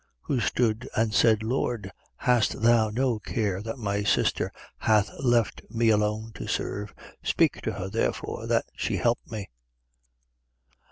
Who stood and said: Lord, hast thou no care that my sister hath left me alone to serve? Speak to her therefore, that she help me.